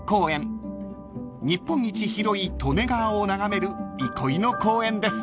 ［日本一広い利根川を眺める憩いの公園です］